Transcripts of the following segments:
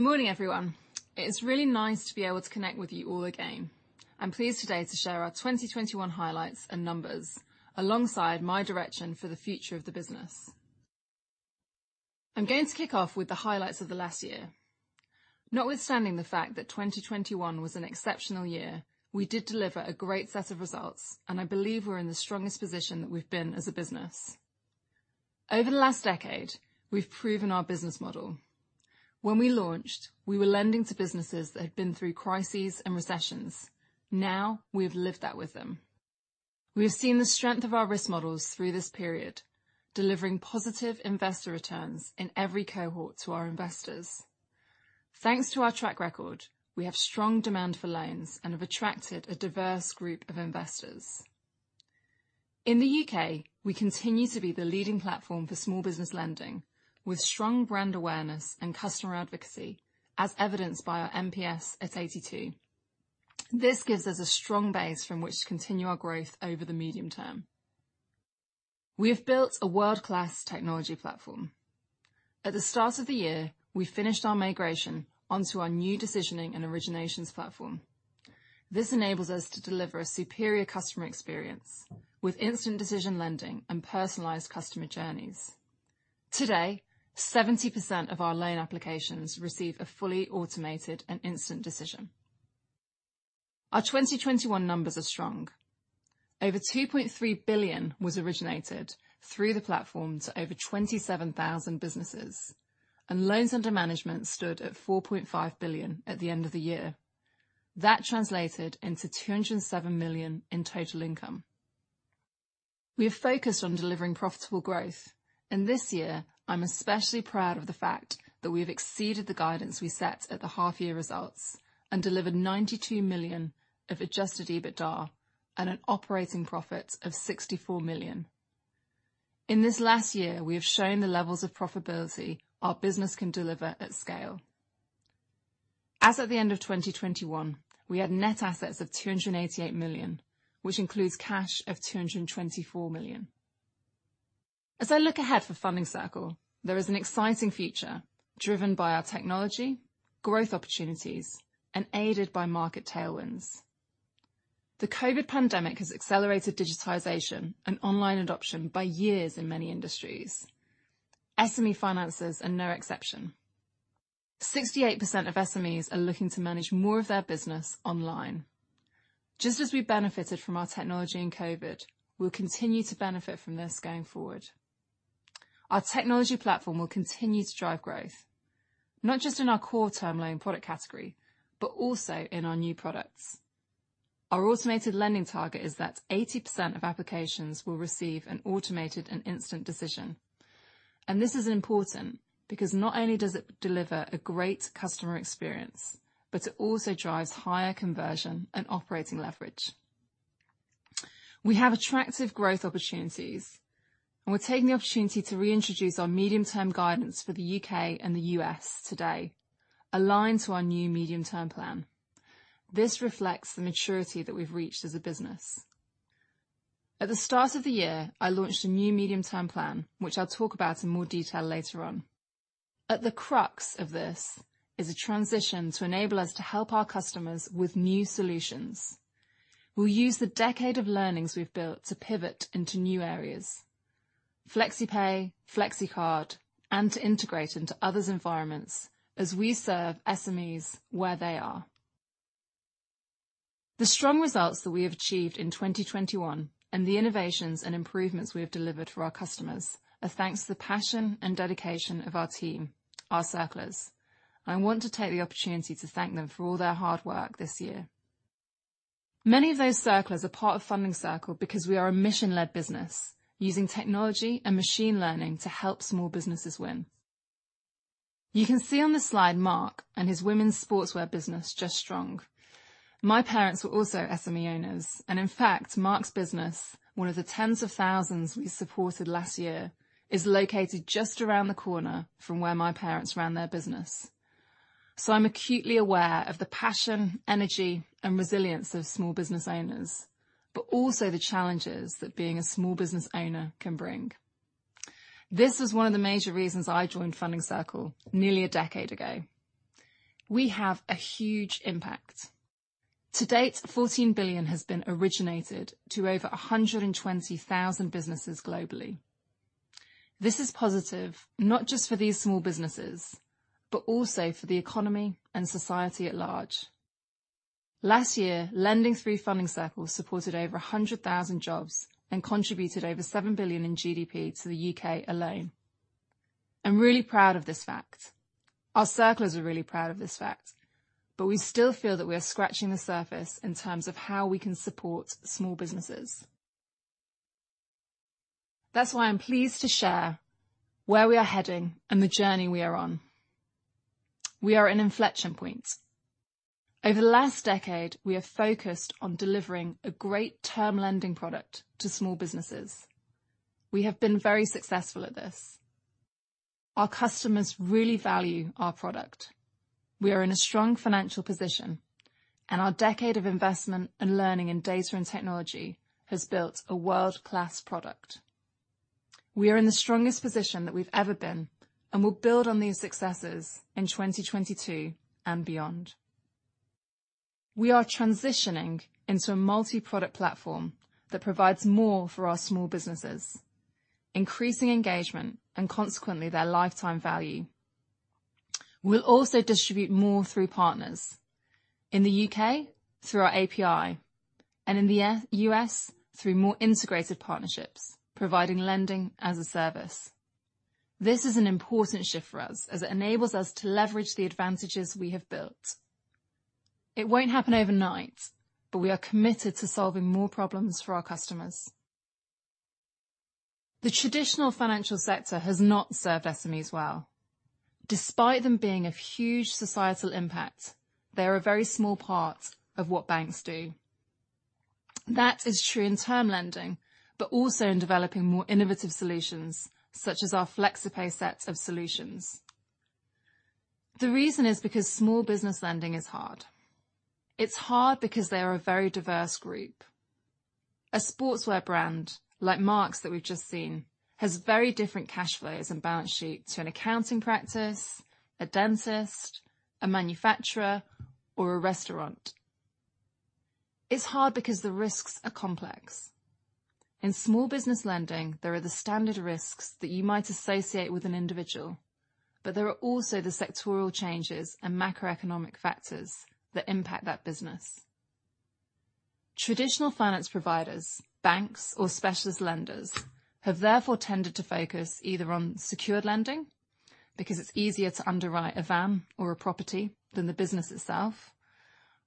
Morning, everyone. It's really nice to be able to connect with you all again. I'm pleased today to share our 2021 highlights and numbers alongside my direction for the future of the business. I'm going to kick off with the highlights of the last year. Notwithstanding the fact that 2021 was an exceptional year, we did deliver a great set of results, and I believe we're in the strongest position that we've been as a business. Over the last decade, we've proven our business model. When we launched, we were lending to businesses that had been through crises and recessions. Now, we have lived that with them. We have seen the strength of our risk models through this period, delivering positive investor returns in every cohort to our investors. Thanks to our track record, we have strong demand for loans and have attracted a diverse group of investors. In the U.K., we continue to be the leading platform for small business lending with strong brand awareness and customer advocacy, as evidenced by our NPS at 82. This gives us a strong base from which to continue our growth over the medium term. We have built a world-class technology platform. At the start of the year, we finished our migration onto our new decisioning and originations platform. This enables us to deliver a superior customer experience with instant decision lending and personalized customer journeys. Today, 70% of our loan applications receive a fully automated and instant decision. Our 2021 numbers are strong. Over 2.3 billion was originated through the platform to over 27,000 businesses, and loans under management stood at 4.5 billion at the end of the year. That translated into 207 million in total income. We have focused on delivering profitable growth, and this year I'm especially proud of the fact that we have exceeded the guidance we set at the half year results and delivered 92 million of adjusted EBITDA and an operating profit of 64 million. In this last year, we have shown the levels of profitability our business can deliver at scale. As of the end of 2021, we had net assets of 288 million, which includes cash of 224 million. As I look ahead for Funding Circle, there is an exciting future driven by our technology, growth opportunities, and aided by market tailwinds. The COVID pandemic has accelerated digitization and online adoption by years in many industries. SME finances are no exception. 68% of SMEs are looking to manage more of their business online. Just as we benefited from our technology in COVID, we'll continue to benefit from this going forward. Our technology platform will continue to drive growth, not just in our core term loan product category, but also in our new products. Our automated lending target is that 80% of applications will receive an automated and instant decision. This is important because not only does it deliver a great customer experience, but it also drives higher conversion and operating leverage. We have attractive growth opportunities, and we're taking the opportunity to reintroduce our medium-term guidance for the U.K. and the U.S. today, aligned to our new medium-term plan. This reflects the maturity that we've reached as a business. At the start of the year, I launched a new medium-term plan, which I'll talk about in more detail later on. At the crux of this is a transition to enable us to help our customers with new solutions. We'll use the decade of learnings we've built to pivot into new areas, FlexiPay Card, and to integrate into others' environments as we serve SMEs where they are. The strong results that we have achieved in 2021 and the innovations and improvements we have delivered for our customers are thanks to the passion and dedication of our team, our Circlers, and I want to take the opportunity to thank them for all their hard work this year. Many of those Circlers are part of Funding Circle because we are a mission-led business using technology and machine learning to help small businesses win. You can see on the slide Mark and his women's sportswear business, Just Strong. My parents were also SME owners, and in fact, Mark's business, one of the tens of thousands we supported last year, is located just around the corner from where my parents ran their business. I'm acutely aware of the passion, energy, and resilience of small business owners, but also the challenges that being a small business owner can bring. This is one of the major reasons I joined Funding Circle nearly a decade ago. We have a huge impact. To date, 14 billion has been originated to over 120,000 businesses globally. This is positive, not just for these small businesses, but also for the economy and society at large. Last year, lending through Funding Circle supported over 100,000 jobs and contributed over 7 billion in GDP to the U.K. alone. I'm really proud of this fact. Our Circlers are really proud of this fact, but we still feel that we are scratching the surface in terms of how we can support small businesses. That's why I'm pleased to share where we are heading and the journey we are on. We are at an inflection point. Over the last decade, we have focused on delivering a great term lending product to small businesses. We have been very successful at this. Our customers really value our product. We are in a strong financial position, and our decade of investment and learning in data and technology has built a world-class product. We are in the strongest position that we've ever been, and we'll build on these successes in 2022 and beyond. We are transitioning into a multi-product platform that provides more for our small businesses, increasing engagement and consequently their lifetime value. We'll also distribute more through partners in the U.K. through our API and in the U.S. through more integrated partnerships, providing lending as a service. This is an important shift for us as it enables us to leverage the advantages we have built. It won't happen overnight, but we are committed to solving more problems for our customers. The traditional financial sector has not served SMEs well. Despite them being of huge societal impact, they are a very small part of what banks do. That is true in term lending, but also in developing more innovative solutions such as our FlexiPay set of solutions. The reason is because small business lending is hard. It's hard because they are a very diverse group. A sportswear brand like Marks that we've just seen has very different cash flows and balance sheets to an accounting practice, a dentist, a manufacturer, or a restaurant. It's hard because the risks are complex. In small business lending, there are the standard risks that you might associate with an individual, but there are also the sectoral changes and macroeconomic factors that impact that business. Traditional finance providers, banks or specialist lenders, have therefore tended to focus either on secured lending, because it's easier to underwrite a van or a property than the business itself,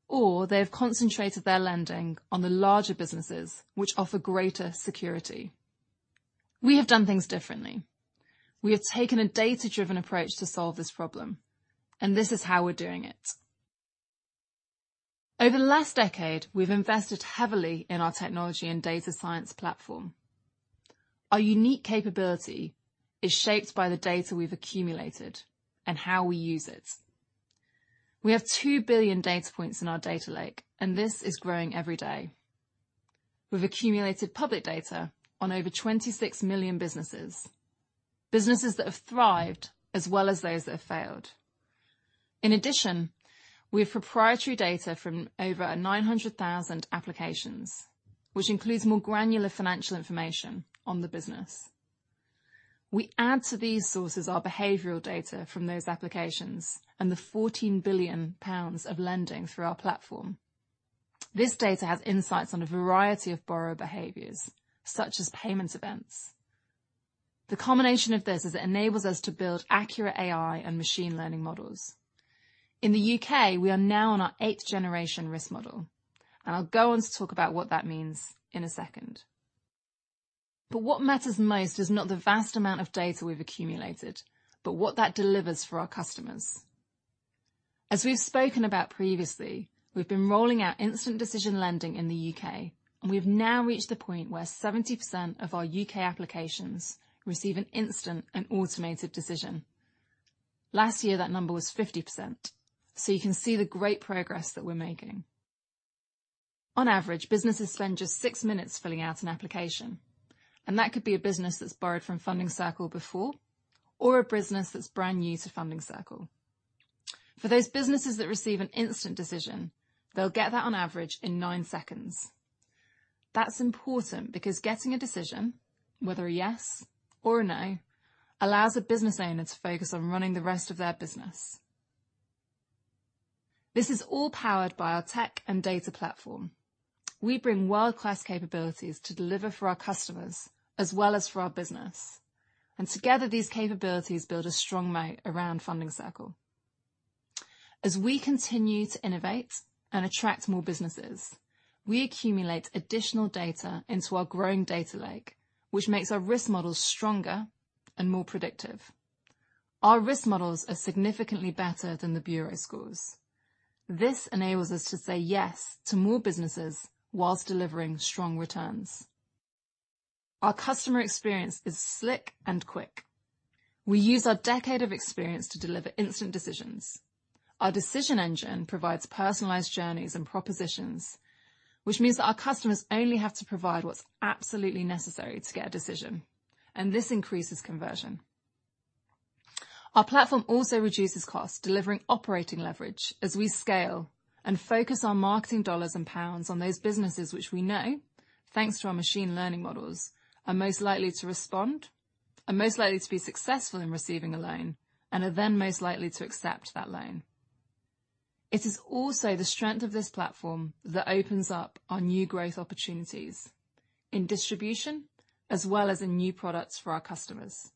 or they have concentrated their lending on the larger businesses which offer greater security. We have done things differently. We have taken a data-driven approach to solve this problem, and this is how we're doing it. Over the last decade, we've invested heavily in our technology and data science platform. Our unique capability is shaped by the data we've accumulated and how we use it. We have 2 billion data points in our data lake, and this is growing every day. We've accumulated public data on over 26 million businesses. Businesses that have thrived as well as those that have failed. In addition, we have proprietary data from over 900,000 applications, which includes more granular financial information on the business. We add to these sources our behavioral data from those applications and the 14 billion pounds of lending through our platform. This data has insights on a variety of borrower behaviors, such as payment events. The combination of this is it enables us to build accurate AI and machine learning models. In the U.K., we are now on our 8th generation risk model. I'll go on to talk about what that means in a second. What matters most is not the vast amount of data we've accumulated, but what that delivers for our customers. As we've spoken about previously, we've been rolling out instant decision lending in the U.K., and we've now reached the point where 70% of our U.K. applications receive an instant and automated decision. Last year, that number was 50%, so you can see the great progress that we're making. On average, businesses spend just six minutes filling out an application, and that could be a business that's borrowed from Funding Circle before or a business that's brand new to Funding Circle. For those businesses that receive an instant decision, they'll get that on average in nine seconds. That's important because getting a decision, whether a yes or a no, allows a business owner to focus on running the rest of their business. This is all powered by our tech and data platform. We bring world-class capabilities to deliver for our customers as well as for our business. Together, these capabilities build a strong moat around Funding Circle. As we continue to innovate and attract more businesses, we accumulate additional data into our growing data lake, which makes our risk models stronger and more predictive. Our risk models are significantly better than the bureau scores. This enables us to say yes to more businesses while delivering strong returns. Our customer experience is slick and quick. We use our decade of experience to deliver instant decisions. Our decision engine provides personalized journeys and propositions, which means that our customers only have to provide what's absolutely necessary to get a decision, and this increases conversion. Our platform also reduces costs, delivering operating leverage as we scale and focus our marketing dollars and pounds on those businesses which we know, thanks to our machine learning models, are most likely to respond, are most likely to be successful in receiving a loan, and are then most likely to accept that loan. It is also the strength of this platform that opens up our new growth opportunities in distribution as well as in new products for our customers.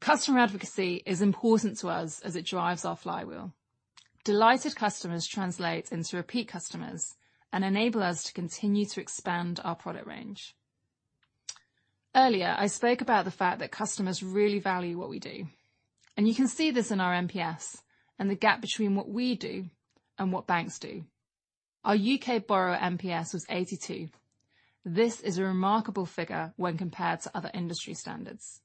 Customer advocacy is important to us as it drives our flywheel. Delighted customers translate into repeat customers and enable us to continue to expand our product range. Earlier, I spoke about the fact that customers really value what we do, and you can see this in our NPS and the gap between what we do and what banks do. Our U.K. borrower NPS was 82. This is a remarkable figure when compared to other industry standards.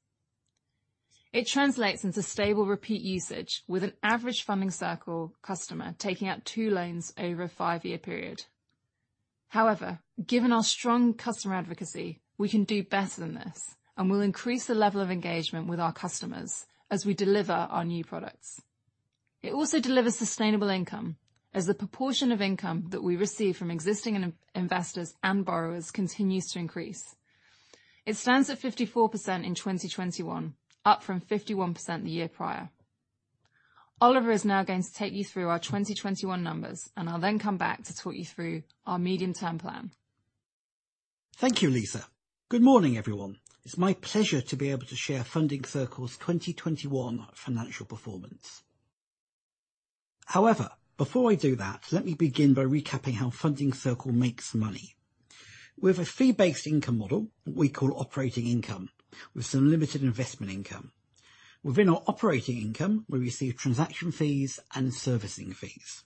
It translates into stable repeat usage with an average Funding Circle customer taking out two loans over a five-year period. However, given our strong customer advocacy, we can do better than this, and we'll increase the level of engagement with our customers as we deliver our new products. It also delivers sustainable income as the proportion of income that we receive from existing investors and borrowers continues to increase. It stands at 54% in 2021, up from 51% the year prior. Oliver is now going to take you through our 2021 numbers, and I'll then come back to talk you through our medium-term plan. Thank you, Lisa. Good morning, everyone. It's my pleasure to be able to share Funding Circle's 2021 financial performance. However, before I do that, let me begin by recapping how Funding Circle makes money. With a fee-based income model we call operating income, with some limited investment income. Within our operating income, we receive transaction fees and servicing fees.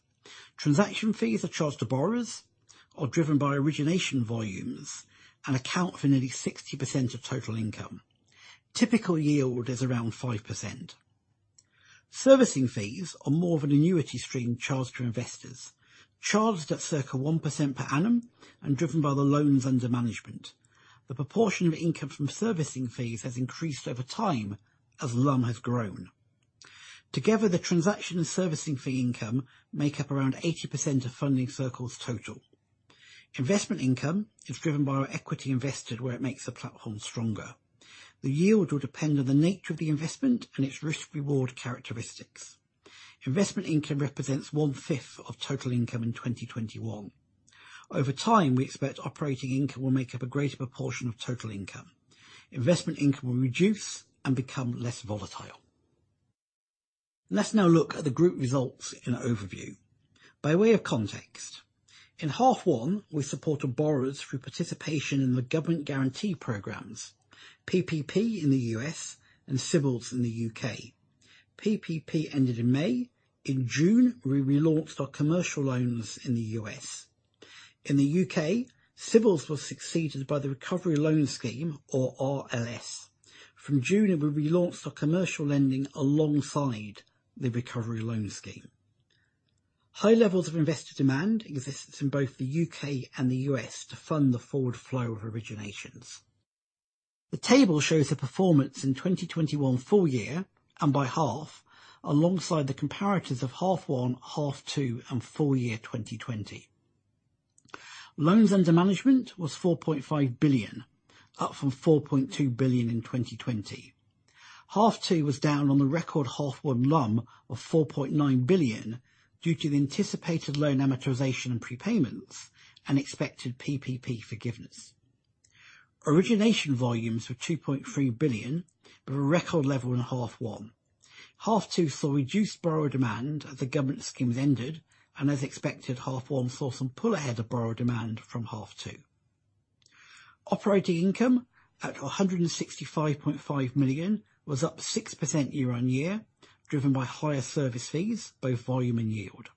Transaction fees are charged to borrowers, are driven by origination volumes, and account for nearly 60% of total income. Typical yield is around 5%. Servicing fees are more of an annuity stream charged to investors, charged at circa 1% per annum and driven by the loans under management. The proportion of income from servicing fees has increased over time as LUM has grown. Together, the transaction and servicing fee income make up around 80% of Funding Circle's total. Investment income is driven by our equity invested where it makes the platform stronger. The yield will depend on the nature of the investment and its risk/reward characteristics. Investment income represents one-fifth of total income in 2021. Over time, we expect operating income will make up a greater proportion of total income. Investment income will reduce and become less volatile. Let's now look at the group results in overview. By way of context, in half one, we supported borrowers through participation in the government guarantee programs, PPP in the U.S. and CBILS in the U.K. PPP ended in May. In June, we relaunched our commercial loans in the U.S. In the U.K., CBILS was succeeded by the Recovery Loan Scheme or RLS. From June, it will be launched for commercial lending alongside the Recovery Loan Scheme. High levels of investor demand exists in both the U.K. and the U.S. to fund the forward flow of originations. The table shows the performance in 2021 full year and by half alongside the comparatives of half one, half two, and full year 2020. Loans under management was 4.5 billion, up from 4.2 billion in 2020. Half two was down on the record half one LUM of 4.9 billion due to the anticipated loan amortization and prepayments and expected PPP forgiveness. Origination volumes were 2.3 billion, but a record level in half one. Half two saw reduced borrower demand as the government schemes ended, and as expected, half one saw some pull ahead of borrower demand from half two. Operating income at 165.5 million was up 6% year-on-year, driven by higher service fees, both volume and yield.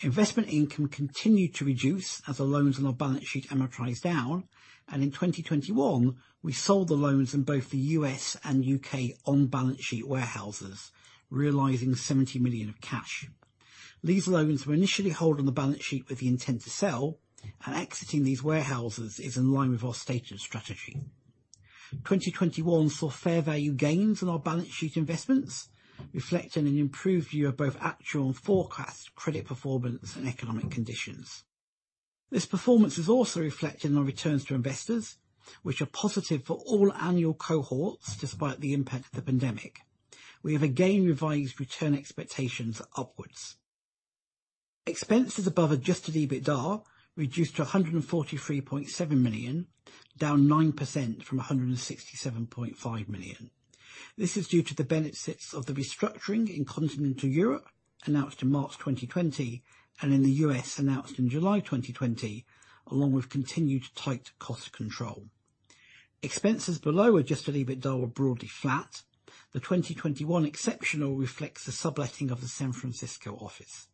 Investment income continued to reduce as the loans on our balance sheet amortized down, and in 2021, we sold the loans in both the U.S. and U.K. on balance sheet warehouses, realizing 70 million of cash. These loans were initially held on the balance sheet with the intent to sell, and exiting these warehouses is in line with our stated strategy. 2021 saw fair value gains on our balance sheet investments, reflecting an improved view of both actual and forecast credit performance and economic conditions. This performance is also reflected in our returns to investors, which are positive for all annual cohorts despite the impact of the pandemic. We have again revised return expectations upwards. Expenses above adjusted EBITDA reduced to 143.7 million, down 9% from 167.5 million. This is due to the benefits of the restructuring in continental Europe, announced in March 2020, and in the U.S., announced in July 2020, along with continued tight cost control. Expenses below adjusted EBITDA were broadly flat. The 2021 exceptional reflects the subletting of the San Francisco office.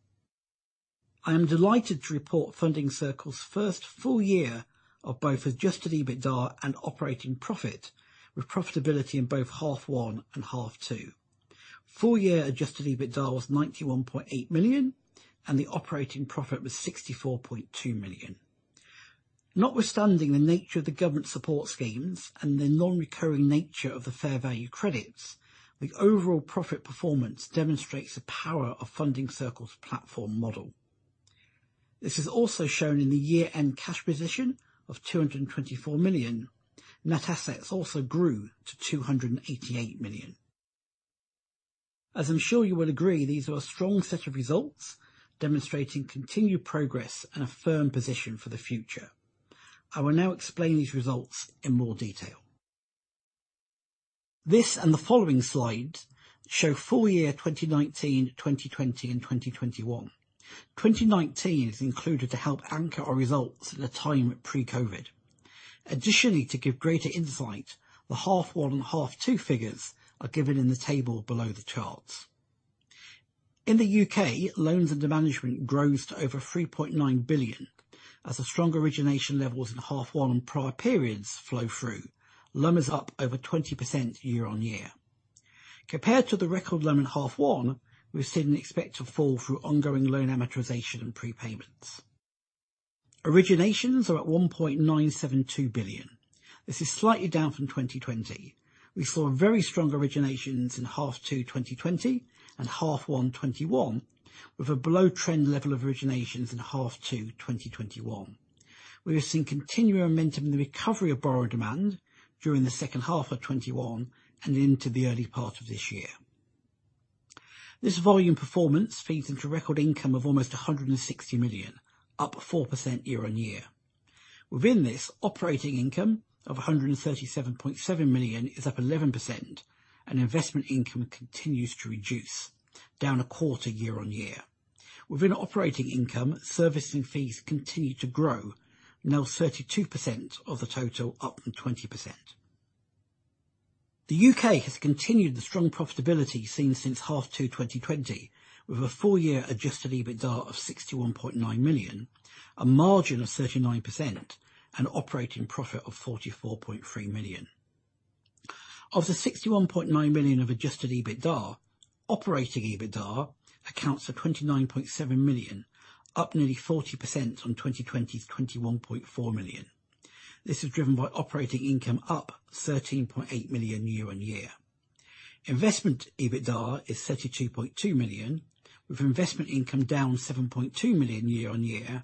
I am delighted to report Funding Circle's first full year of both adjusted EBITDA and operating profit, with profitability in both half one and half two. Full year adjusted EBITDA was 91.8 million, and the operating profit was 64.2 million. Notwithstanding the nature of the government support schemes and the non-recurring nature of the fair value credits, the overall profit performance demonstrates the power of Funding Circle's platform model. This is also shown in the year-end cash position of 224 million. Net assets also grew to 288 million. As I'm sure you would agree, these are a strong set of results demonstrating continued progress and a firm position for the future. I will now explain these results in more detail. This and the following slides show full year 2019, 2020 and 2021. 2019 is included to help anchor our results at a time pre-COVID. Additionally, to give greater insight, the H1 and H2 figures are given in the table below the charts. In the U.K., loans under management grows to over 3.9 billion as the strong origination levels in H1 and prior periods flow through. LUM is up over 20% year-on-year. Compared to the record LUM in H1, we've seen an expected fall through ongoing loan amortization and prepayments. Originations are at 1.972 billion. This is slightly down from 2020. We saw very strong originations in H2 2020 and H1 2021, with a below-trend level of originations in H2 2021. We have seen continuing momentum in the recovery of borrower demand during the second half of 2021 and into the early part of this year. This volume performance feeds into record income of almost 160 million, up 4% year-on-year. Within this, operating income of 137.7 million is up 11%, and investment income continues to reduce, down 25% year-on-year. Within operating income, servicing fees continue to grow. Now 32% of the total up from 20%. The U.K. has continued the strong profitability seen since H2 2020 with a full year adjusted EBITDA of 61.9 million, a margin of 39% and operating profit of 44.3 million. Of the 61.9 million of adjusted EBITDA, operating EBITDA accounts for 29.7 million, up nearly 40% on 2020's 21.4 million. This is driven by operating income up 13.8 million year on year. Investment EBITDA is 32.2 million, with investment income down 7.2 million year on year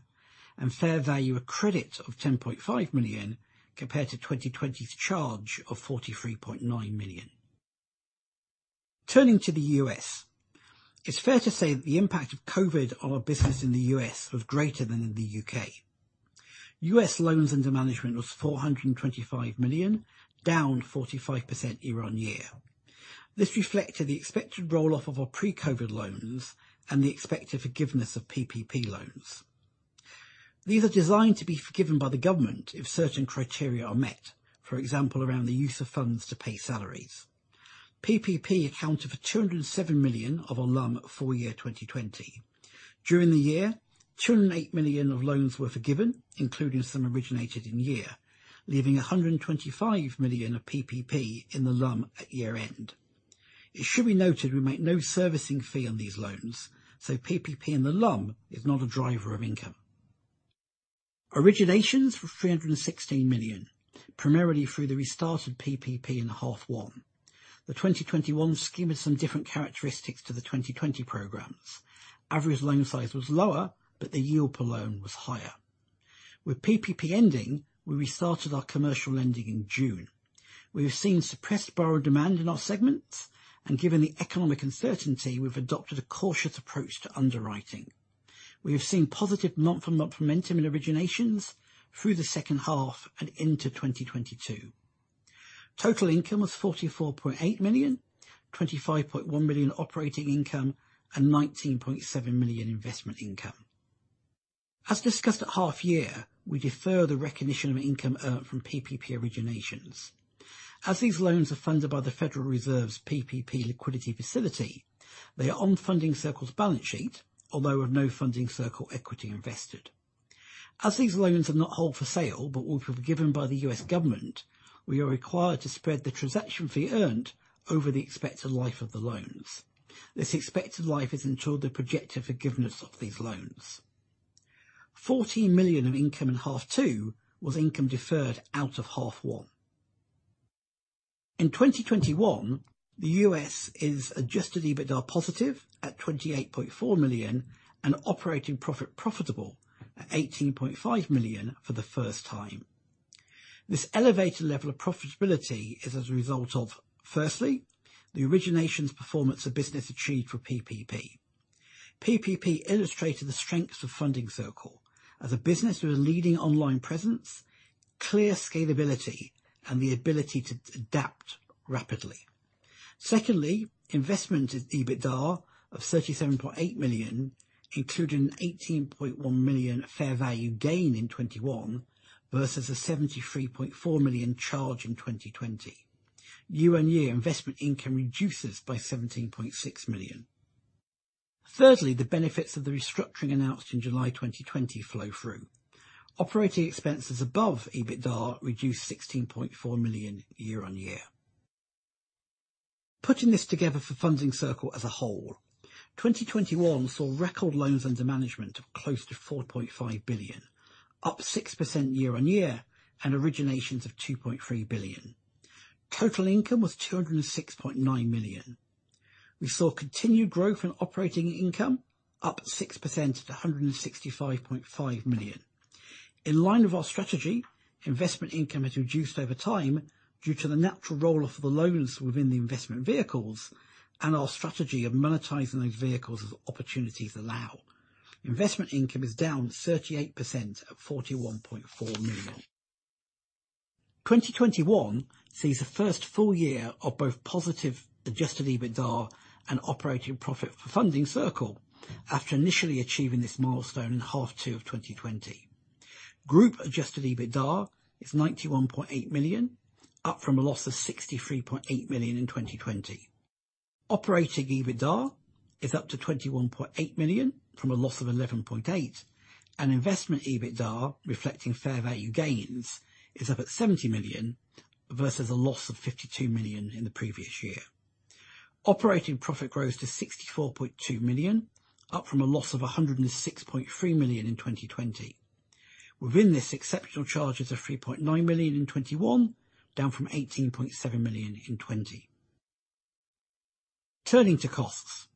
and fair value credit of 10.5 million compared to 2020's charge of 43.9 million. Turning to the U.S. It's fair to say that the impact of COVID on our business in the U.S. was greater than in the U.K. U.S. loans under management was $425 million, down 45% year-on-year. This reflected the expected roll off of our pre-COVID loans and the expected forgiveness of PPP loans. These are designed to be forgiven by the government if certain criteria are met, for example, around the use of funds to pay salaries. PPP accounted for $207 million of our LUM full year 2020. During the year, $208 million of loans were forgiven, including some originated in year, leaving $125 million of PPP in the LUM at year-end. It should be noted we make no servicing fee on these loans, so PPP in the LUM is not a driver of income. Originations for 316 million, primarily through the restart of PPP in half one. The 2021 scheme has some different characteristics to the 2020 programs. Average loan size was lower, but the yield per loan was higher. With PPP ending, we restarted our commercial lending in June. We have seen suppressed borrower demand in our segments, and given the economic uncertainty, we've adopted a cautious approach to underwriting. We have seen positive month-on-month momentum in originations through the second half and into 2022. Total income was 44.8 million, 25.1 million operating income, and 19.7 million investment income. As discussed at half year, we defer the recognition of income earned from PPP originations. As these loans are funded by the Federal Reserve's PPP liquidity facility, they are on Funding Circle's balance sheet, although they have no Funding Circle equity invested. As these loans are not held for sale but will be forgiven by the U.S. government, we are required to spread the transaction fee earned over the expected life of the loans. This expected life is ensured by the projected forgiveness of these loans. $14 million of income in H2 was income deferred out of H1. In 2021, the U.S. is adjusted EBITDA positive at $28.4 million and operating profit profitable at $18.5 million for the first time. This elevated level of profitability is as a result of, firstly, the originations performance of business achieved for PPP. PPP illustrated the strengths of Funding Circle as a business with a leading online presence, clear scalability, and the ability to adapt rapidly. Secondly, investment EBITDA of 37.8 million included an 18.1 million fair value gain in 2021 versus a 73.4 million charge in 2020. Year on year investment income reduces by 17.6 million. Thirdly, the benefits of the restructuring announced in July 2020 flow through. Operating expenses above EBITDA reduced 16.4 million year on year. Putting this together for Funding Circle as a whole, 2021 saw record loans under management of close to 4.5 billion, up 6% year on year and originations of 2.3 billion. Total income was 206.9 million. We saw continued growth in operating income up 6% to 165.5 million. In line with our strategy, investment income has reduced over time due to the natural roll-off of the loans within the investment vehicles and our strategy of monetizing those vehicles as opportunities allow. Investment income is down 38% at 41.4 million. 2021 sees the first full year of both positive adjusted EBITDA and operating profit for Funding Circle after initially achieving this milestone in H2 2020. Group adjusted EBITDA is 91.8 million, up from a loss of 63.8 million in 2020. Operating EBITDA is up to 21.8 million from a loss of 11.8, and investment EBITDA, reflecting fair value gains, is up at 70 million versus a loss of 52 million in the previous year. Operating profit grows to 64.2 million, up from a loss of 106.3 million in 2020. Within this, exceptional charges of 3.9 million in 2021, down from 18.7 million in 2020. Turning to costs.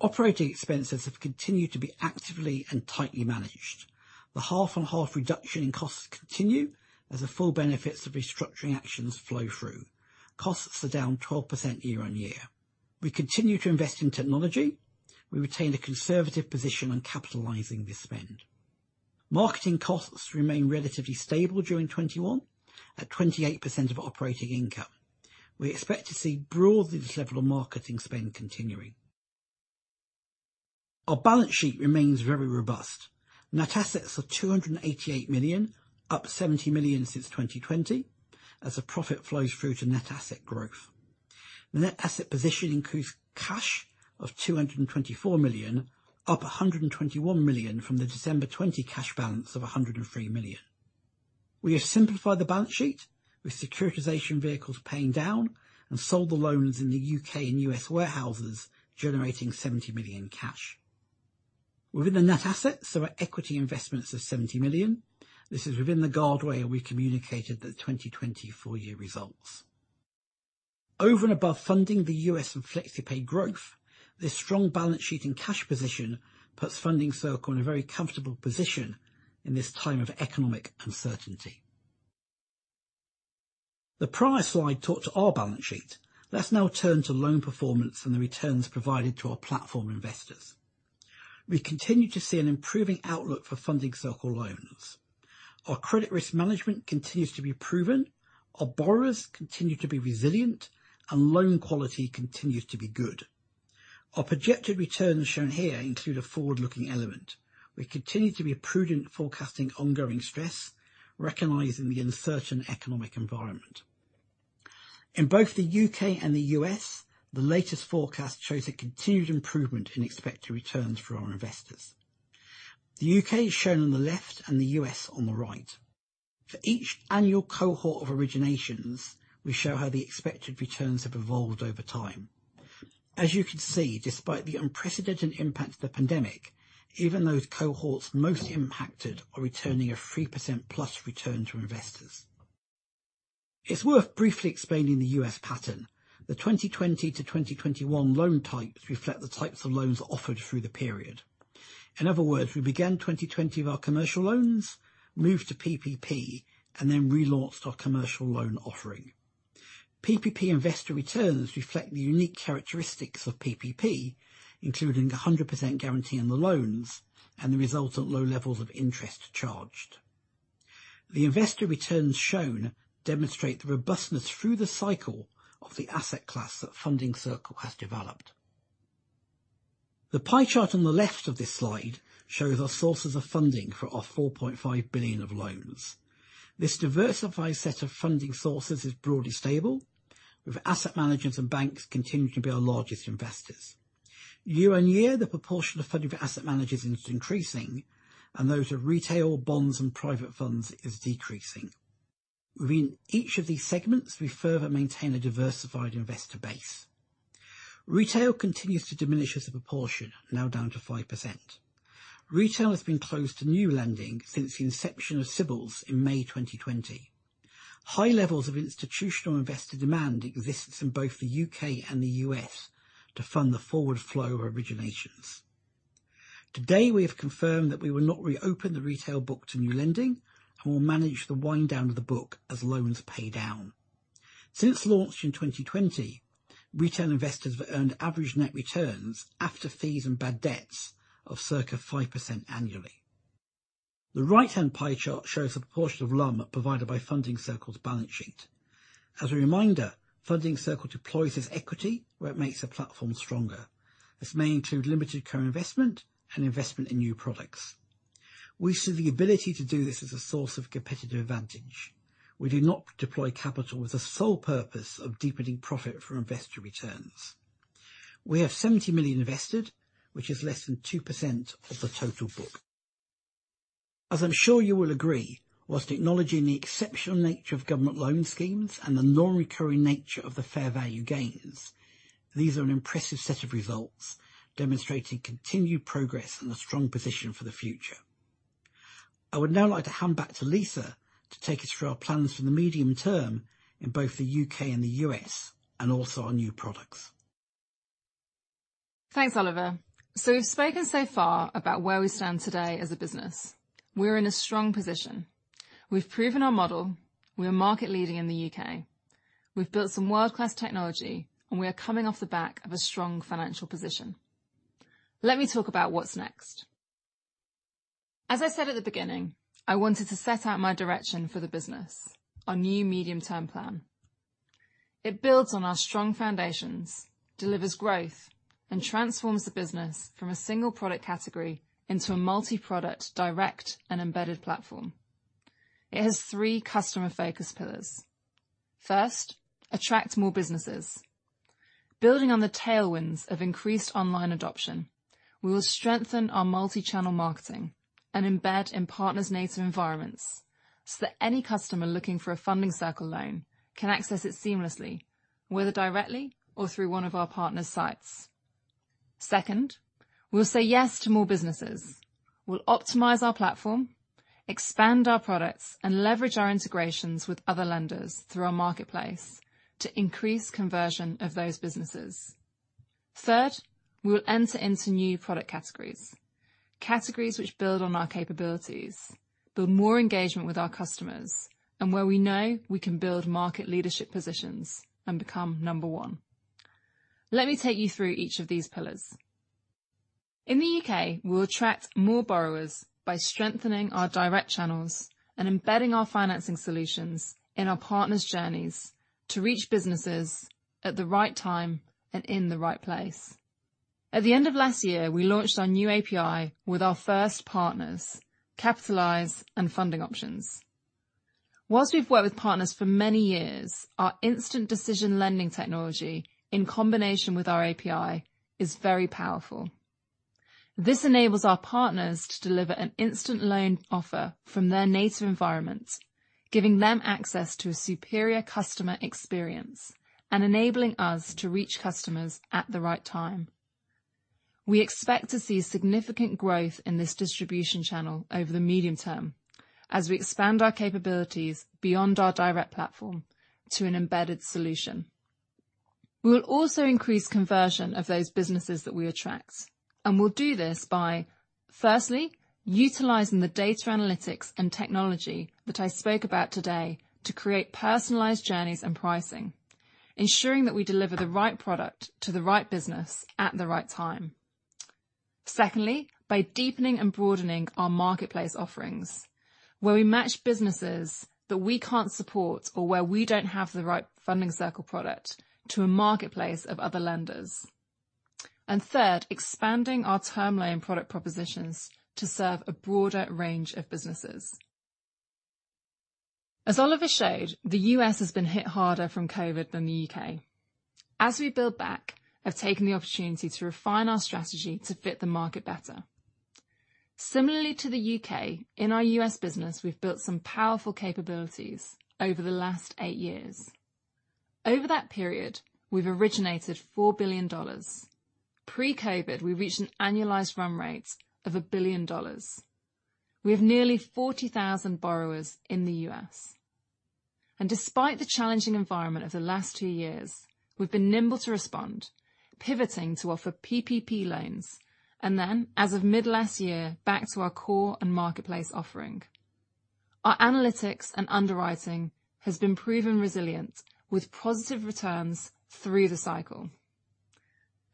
Operating expenses have continued to be actively and tightly managed. The half-on-half reduction in costs continue as the full benefits of restructuring actions flow through. Costs are down 12% year on year. We continue to invest in technology. We retain a conservative position on capitalizing this spend. Marketing costs remain relatively stable during 2021 at 28% of operating income. We expect to see broadly this level of marketing spend continuing. Our balance sheet remains very robust. Net assets of 288 million, up 70 million since 2020 as the profit flows through to net asset growth. The net asset position includes cash of 224 million, up 121 million from the December 2020 cash balance of 103 million. We have simplified the balance sheet with securitization vehicles paying down and sold the loans in the U.K. and U.S. warehouses, generating 70 million cash. Within the net assets, our equity investments is 70 million. This is within the guidance where we communicated the 2020 full year results. Over and above funding the U.S. and FlexiPay growth, this strong balance sheet and cash position puts Funding Circle in a very comfortable position in this time of economic uncertainty. The prior slide talked to our balance sheet. Let's now turn to loan performance and the returns provided to our platform investors. We continue to see an improving outlook for Funding Circle loans. Our credit risk management continues to be proven. Our borrowers continue to be resilient. Loan quality continues to be good. Our projected returns shown here include a forward-looking element. We continue to be prudent forecasting ongoing stress, recognizing the uncertain economic environment. In both the U.K. and the U.S., the latest forecast shows a continued improvement in expected returns for our investors. The U.K. is shown on the left and the U.S. on the right. For each annual cohort of originations, we show how the expected returns have evolved over time. As you can see, despite the unprecedented impact of the pandemic, even those cohorts most impacted are returning a 3%+ return to investors. It's worth briefly explaining the U.S. pattern. The 2020 to 2021 loan types reflect the types of loans offered through the period. In other words, we began 2020 with our commercial loans, moved to PPP, and then relaunched our commercial loan offering. PPP investor returns reflect the unique characteristics of PPP, including the 100% guarantee on the loans and the resultant low levels of interest charged. The investor returns shown demonstrate the robustness through the cycle of the asset class that Funding Circle has developed. The pie chart on the left of this slide shows our sources of funding for our $4.5 billion of loans. This diversified set of funding sources is broadly stable, with asset managers and banks continuing to be our largest investors. Year-over-year, the proportion of funding for asset managers is increasing and those of retail bonds and private funds is decreasing. Within each of these segments, we further maintain a diversified investor base. Retail continues to diminish as a proportion, now down to 5%. Retail has been closed to new lending since the inception of CBILS in May 2020. High levels of institutional investor demand exists in both the U.K. and the U.S. to fund the forward flow of originations. Today, we have confirmed that we will not reopen the retail book to new lending and will manage the wind down of the book as loans pay down. Since launch in 2020, retail investors have earned average net returns after fees and bad debts of circa 5% annually. The right-hand pie chart shows the proportion of LUM provided by Funding Circle's balance sheet. As a reminder, Funding Circle deploys its equity where it makes the platform stronger. This may include limited co-investment and investment in new products. We see the ability to do this as a source of competitive advantage. We do not deploy capital with the sole purpose of deepening profit for investor returns. We have 70 million invested, which is less than 2% of the total book. As I'm sure you will agree, while acknowledging the exceptional nature of government loan schemes and the non-recurring nature of the fair value gains, these are an impressive set of results demonstrating continued progress and a strong position for the future. I would now like to hand back to Lisa to take us through our plans for the medium-term in both the U.K. and the U.S., and also our new products. Thanks, Oliver. So we've spoken so far about where we stand today as a business. We're in a strong position. We've proven our model. We're market leading in the U.K. We've built some world-class technology, and we are coming off the back of a strong financial position. Let me talk about what's next. As I said at the beginning, I wanted to set out my direction for the business, our new medium-term plan. It builds on our strong foundations, delivers growth, and transforms the business from a single product category into a multi-product direct and embedded platform. It has three customer-focused pillars. First, attract more businesses. Building on the tailwinds of increased online adoption, we will strengthen our multi-channel marketing and embed in partners' native environments, so that any customer looking for a Funding Circle loan can access it seamlessly, whether directly or through one of our partners' sites. Second, we'll say yes to more businesses. We'll optimize our platform, expand our products, and leverage our integrations with other lenders through our marketplace to increase conversion of those businesses. Third, we will enter into new product categories which build on our capabilities, build more engagement with our customers, and where we know we can build market leadership positions and become number one. Let me take you through each of these pillars. In the U.K., we'll attract more borrowers by strengthening our direct channels and embedding our financing solutions in our partners' journeys to reach businesses at the right time and in the right place. At the end of last year, we launched our new API with our first partners, Capitalise and Funding Options. While we've worked with partners for many years, our instant decision lending technology in combination with our API is very powerful. This enables our partners to deliver an instant loan offer from their native environment, giving them access to a superior customer experience and enabling us to reach customers at the right time. We expect to see significant growth in this distribution channel over the medium term as we expand our capabilities beyond our direct platform to an embedded solution. We will also increase conversion of those businesses that we attract, and we'll do this by, firstly, utilizing the data analytics and technology that I spoke about today to create personalized journeys and pricing, ensuring that we deliver the right product to the right business at the right time. Secondly, by deepening and broadening our marketplace offerings, where we match businesses that we can't support or where we don't have the right Funding Circle product to a marketplace of other lenders. Third, expanding our term loan product propositions to serve a broader range of businesses. As Oliver showed, the U.S. has been hit harder from COVID than the U.K. As we build back, I've taken the opportunity to refine our strategy to fit the market better. Similarly to the U.K., in our U.S. business, we've built some powerful capabilities over the last eight years. Over that period, we've originated $4 billion. Pre-COVID, we reached an annualized run rate of $1 billion. We have nearly 40,000 borrowers in the U.S. Despite the challenging environment of the last two years, we've been nimble to respond, pivoting to offer PPP loans, and then, as of mid last year, back to our core and marketplace offering. Our analytics and underwriting has been proven resilient with positive returns through the cycle,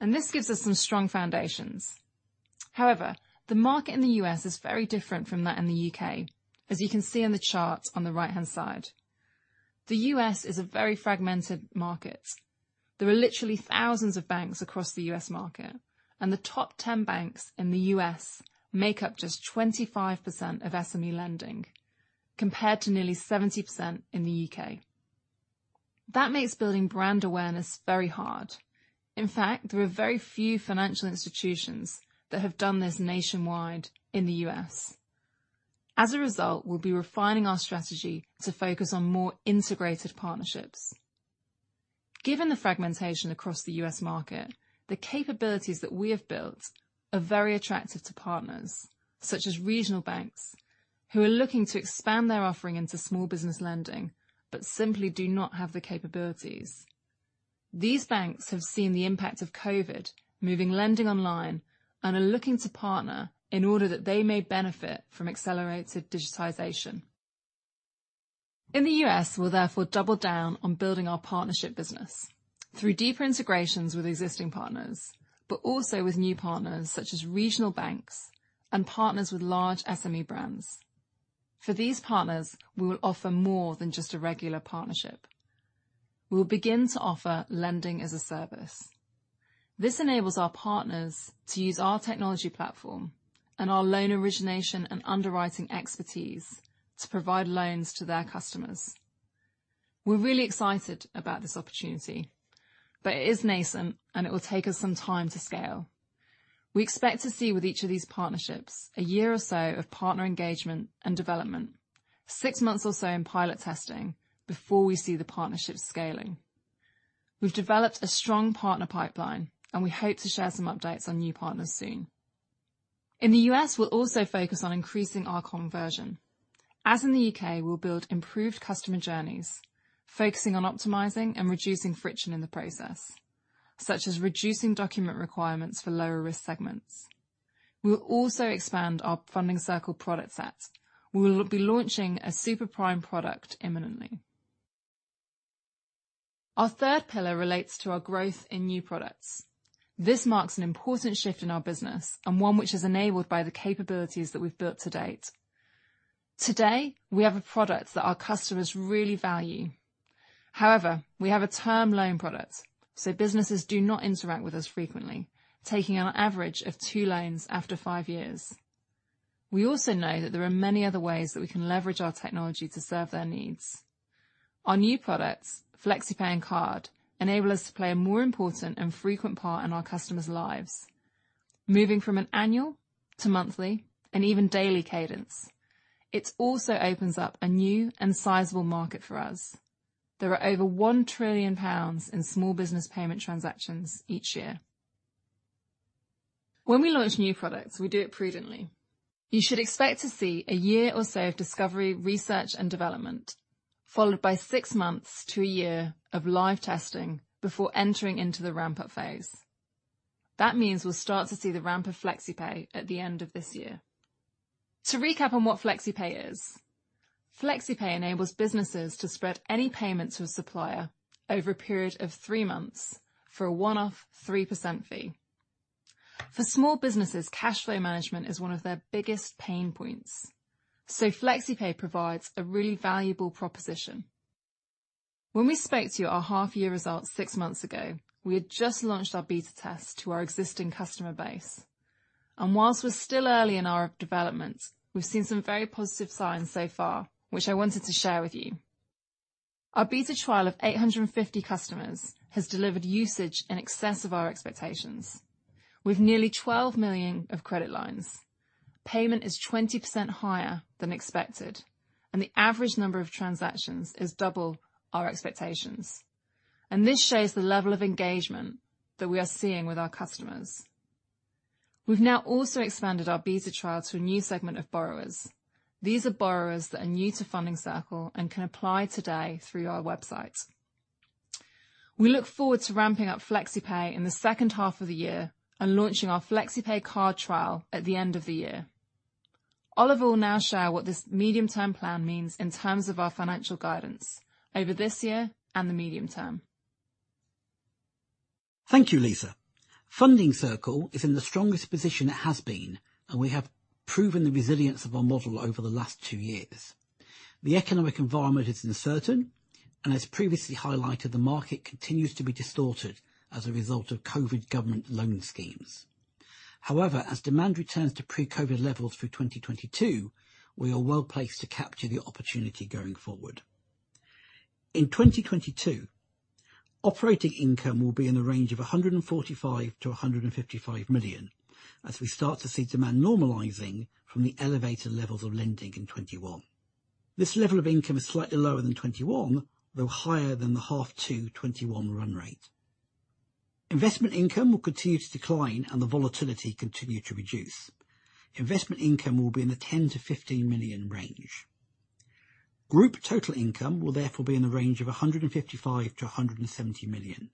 and this gives us some strong foundations. However, the market in the U.S. is very different from that in the U.K., as you can see in the chart on the right-hand side. The U.S. is a very fragmented market. There are literally thousands of banks across the U.S. market, and the top 10 banks in the U.S. make up just 25% of SME lending, compared to nearly 70% in the U.K. That makes building brand awareness very hard. In fact, there are very few financial institutions that have done this nationwide in the U.S. As a result, we'll be refining our strategy to focus on more integrated partnerships. Given the fragmentation across the U.S. market, the capabilities that we have built are very attractive to partners, such as regional banks, who are looking to expand their offering into small business lending, but simply do not have the capabilities. These banks have seen the impact of COVID moving lending online and are looking to partner in order that they may benefit from accelerated digitization. In the U.S., we'll therefore double down on building our partnership business through deeper integrations with existing partners, but also with new partners such as regional banks and partners with large SME brands. For these partners, we will offer more than just a regular partnership. We will begin to offer lending as a service. This enables our partners to use our technology platform and our loan origination and underwriting expertise to provide loans to their customers. We're really excited about this opportunity, but it is nascent and it will take us some time to scale. We expect to see with each of these partnerships a year or so of partner engagement and development, six months or so in pilot testing before we see the partnership scaling. We've developed a strong partner pipeline, and we hope to share some updates on new partners soon. In the U.S., we'll also focus on increasing our conversion. As in the U.K., we'll build improved customer journeys, focusing on optimizing and reducing friction in the process, such as reducing document requirements for lower risk segments. We will also expand our Funding Circle product set. We will be launching a super prime product imminently. Our third pillar relates to our growth in new products. This marks an important shift in our business and one which is enabled by the capabilities that we've built to date. Today, we have a product that our customers really value. However, we have a term loan product, so businesses do not interact with us frequently, taking an average of two loans after five years. We also know that there are many other ways that we can leverage our technology to serve their needs. Our new products, FlexiPay and FlexiPay Card, enable us to play a more important and frequent part in our customers' lives, moving from an annual to monthly and even daily cadence. It also opens up a new and sizable market for us. There are over 1 trillion pounds in small business payment transactions each year. When we launch new products, we do it prudently. You should expect to see a year or so of discovery, research and development, followed by six months to a year of live testing before entering into the ramp-up phase. That means we'll start to see the ramp of FlexiPay at the end of this year. To recap on what FlexiPay is, FlexiPay enables businesses to spread any payments to a supplier over a period of three months for a one-off 3% fee. For small businesses, cash flow management is one of their biggest pain points, so FlexiPay provides a really valuable proposition. When we spoke to you at our half year results six months ago, we had just launched our beta test to our existing customer base. While we're still early in our development, we've seen some very positive signs so far, which I wanted to share with you. Our beta trial of 850 customers has delivered usage in excess of our expectations. With nearly 12 million of credit lines, payments are 20% higher than expected, and the average number of transactions is double our expectations. This shows the level of engagement that we are seeing with our customers. We've now also expanded our beta trial to a new segment of borrowers. These are borrowers that are new to Funding Circle and can apply today through our website. We look forward to ramping up FlexiPay in the second half of the year and launching our FlexiPay Card trial at the end of the year. Oliver will now share what this medium-term plan means in terms of our financial guidance over this year and the medium term. Thank you, Lisa. Funding Circle is in the strongest position it has been, and we have proven the resilience of our model over the last two years. The economic environment is uncertain, and as previously highlighted, the market continues to be distorted as a result of COVID government loan schemes. However, as demand returns to pre-COVID levels through 2022, we are well placed to capture the opportunity going forward. In 2022, operating income will be in the range of 145 million-155 million as we start to see demand normalizing from the elevated levels of lending in 2021. This level of income is slightly lower than 2021, though higher than the H2 2021 run rate. Investment income will continue to decline and the volatility continue to reduce. Investment income will be in the 10 million-15 million range. Group total income will therefore be in the range of 155 million-170 million.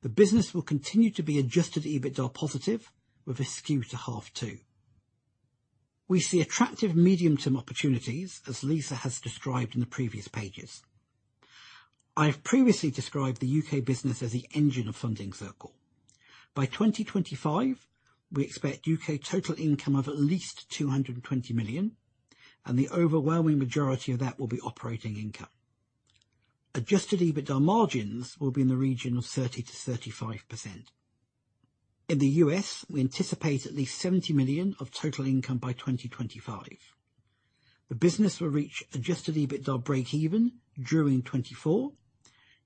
The business will continue to be adjusted EBITDA positive with a skew to H2. We see attractive medium-term opportunities as Lisa has described in the previous pages. I have previously described the U.K. business as the engine of Funding Circle. By 2025, we expect U.K. total income of at least 220 million, and the overwhelming majority of that will be operating income. Adjusted EBITDA margins will be in the region of 30%-35%. In the U.S., we anticipate at least 70 million of total income by 2025. The business will reach adjusted EBITDA breakeven during 2024,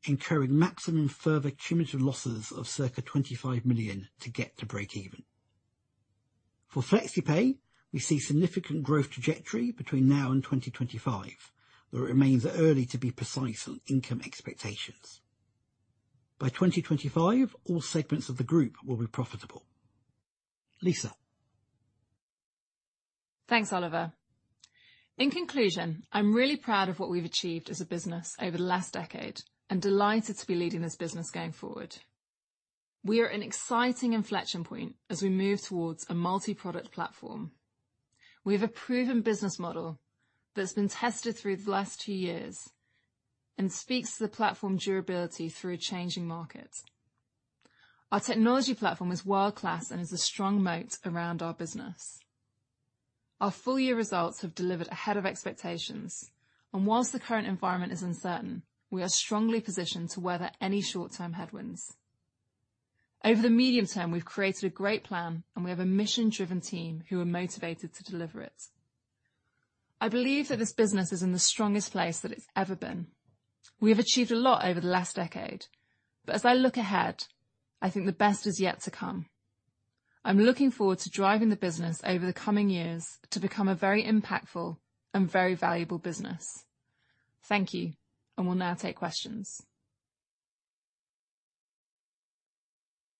incurring maximum further cumulative losses of circa 25 million to get to breakeven. For FlexiPay, we see significant growth trajectory between now and 2025. Though it remains early to be precise on income expectations. By 2025, all segments of the group will be profitable. Lisa? Thanks, Oliver. In conclusion, I'm really proud of what we've achieved as a business over the last decade and delighted to be leading this business going forward. We are at an exciting inflection point as we move towards a multi-product platform. We have a proven business model that's been tested through the last two years and speaks to the platform durability through a changing market. Our technology platform is world-class and is a strong moat around our business. Our full year results have delivered ahead of expectations, and while the current environment is uncertain, we are strongly positioned to weather any short-term headwinds. Over the medium term, we've created a great plan, and we have a mission-driven team who are motivated to deliver it. I believe that this business is in the strongest place that it's ever been. We have achieved a lot over the last decade, but as I look ahead, I think the best is yet to come. I'm looking forward to driving the business over the coming years to become a very impactful and very valuable business. Thank you, and we'll now take questions.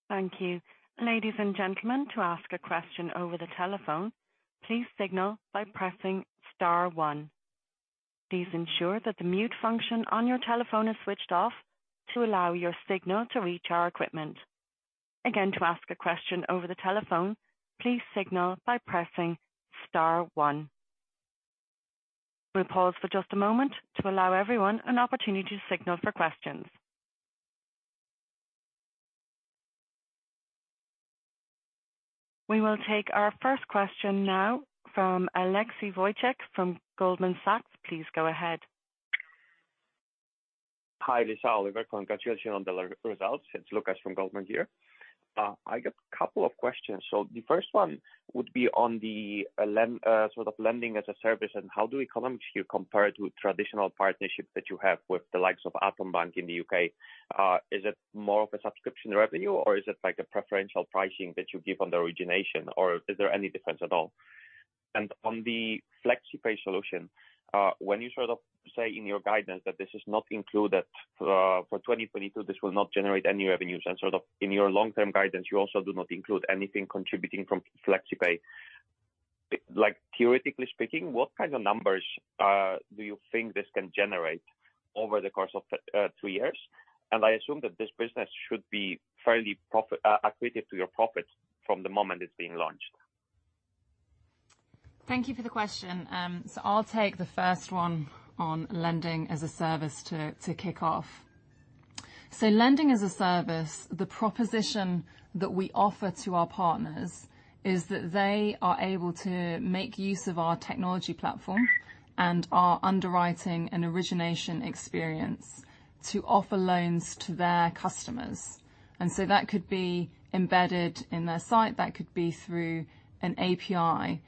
Thank you. Ladies and gentlemen, to ask a question over the telephone, please signal by pressing star one. Please ensure that the mute function on your telephone is switched off to allow your signal to reach our equipment. Again, to ask a question over the telephone, please signal by pressing star one. We'll pause for just a moment to allow everyone an opportunity to signal for questions. We will take our first question now from Alexis Wojcik from Goldman Sachs. Please go ahead. Hi, Lisa, Oliver. Congratulations on the results. It's Lukas from Goldman Sachs here. I got a couple of questions. The first one would be on lending as a service and how do we economically compare it to traditional partnerships that you have with the likes of Atom Bank in the U.K.? Is it more of a subscription revenue, or is it like a preferential pricing that you give on the origination, or is there any difference at all? On the FlexiPay solution, when you say in your guidance that this is not included for 2022, this will not generate any revenues. In your long-term guidance, you also do not include anything contributing from FlexiPay. Like, theoretically speaking, what kind of numbers do you think this can generate over the course of two years? I assume that this business should be fairly accretive to your profits from the moment it's being launched. Thank you for the question. I'll take the first one on lending as a service to kick off. Lending as a service, the proposition that we offer to our partners is that they are able to make use of our technology platform and our underwriting and origination experience to offer loans to their customers. That could be embedded in their site, that could be through an API.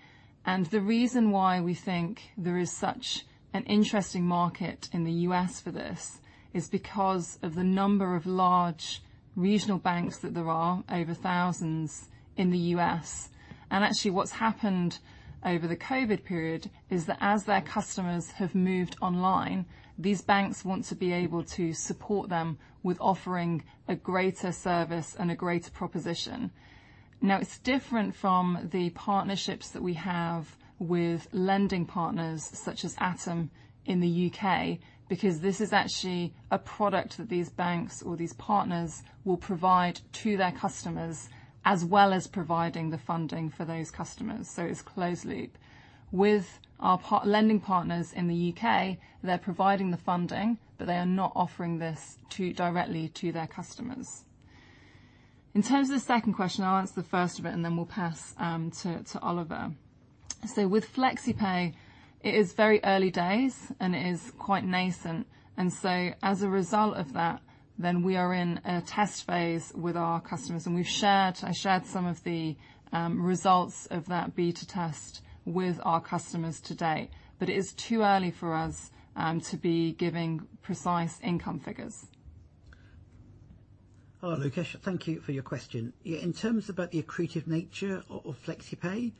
The reason why we think there is such an interesting market in the U.S. for this is because of the number of large regional banks that there are, over thousands in the U.S. Actually what's happened over the COVID period is that as their customers have moved online, these banks want to be able to support them with offering a greater service and a greater proposition. Now, it's different from the partnerships that we have with lending partners such as Atom in the U.K., because this is actually a product that these banks or these partners will provide to their customers, as well as providing the funding for those customers. It's closed loop. With our lending partners in the U.K., they're providing the funding, but they are not offering this directly to their customers. In terms of the second question, I'll answer the first of it and then we'll pass to Oliver. With FlexiPay it is very early days and it is quite nascent. As a result of that, then we are in a test phase with our customers. I shared some of the results of that beta test with our customers today. It is too early for us to be giving precise income figures. Hi, Lukas, thank you for your question. Yeah, in terms of the accretive nature of FlexiPay,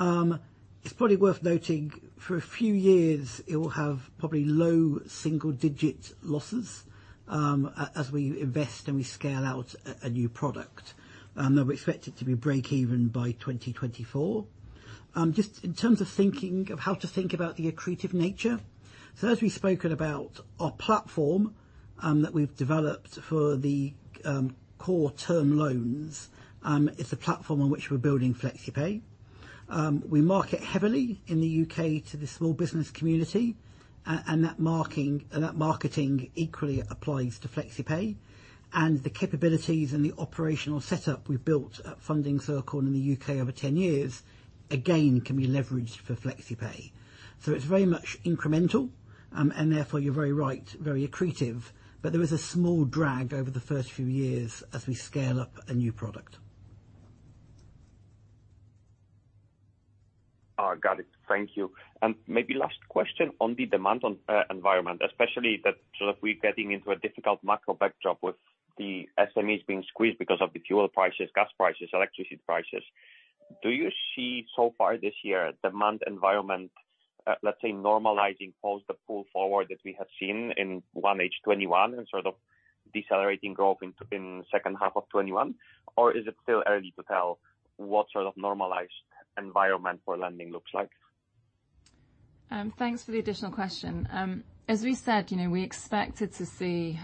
it's probably worth noting for a few years it will have probably low single digit losses, as we invest and we scale out a new product. We expect it to be breakeven by 2024. Just in terms of thinking of how to think about the accretive nature. As we've spoken about our platform that we've developed for the core term loans, it's a platform on which we're building FlexiPay. We market heavily in the U.K. to the small business community, and that marketing equally applies to FlexiPay. The capabilities and the operational setup we've built at Funding Circle in the U.K. over 10 years, again, can be leveraged for FlexiPay. It's very much incremental, and therefore you're very right, very accretive. There is a small drag over the first few years as we scale up a new product. Maybe last question on the demand environment, especially that sort of we're getting into a difficult macro backdrop with the SMEs being squeezed because of the fuel prices, gas prices, electricity prices. Do you see so far this year demand environment, let's say normalizing post the pull forward that we have seen in 1H 2021 and sort of decelerating growth in second half of 2021? Or is it still early to tell what sort of normalized environment for lending looks like? Thanks for the additional question. As we said, you know, we expected to see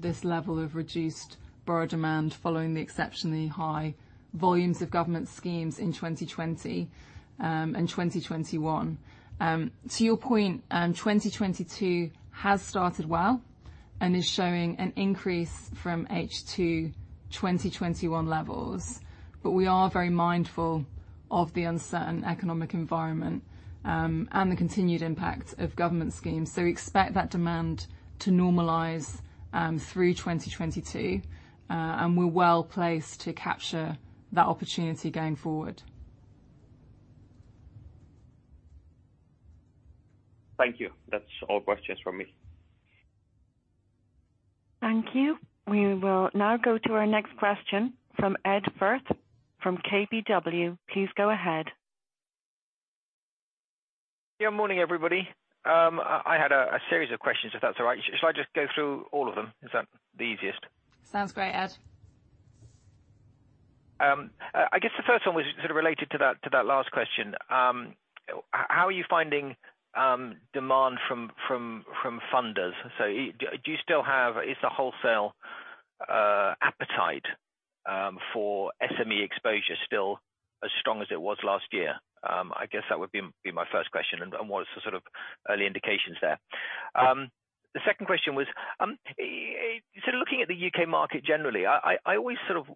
this level of reduced borrower demand following the exceptionally high volumes of government schemes in 2020 and 2021. To your point, 2022 has started well and is showing an increase from H2 2021 levels. We are very mindful of the uncertain economic environment and the continued impact of government schemes. We expect that demand to normalize through 2022, and we're well placed to capture that opportunity going forward. Thank you. That's all questions from me. Thank you. We will now go to our next question from Ed Firth from KBW. Please go ahead. Yeah, morning, everybody. I had a series of questions, if that's all right. Shall I just go through all of them? Is that the easiest? Sounds great, Ed. I guess the first one was sort of related to that, to that last question. How are you finding demand from funders? Is the wholesale appetite for SME exposure still as strong as it was last year? I guess that would be my first question and what's the sort of early indications there. The second question was, so looking at the U.K. market generally, I always sort of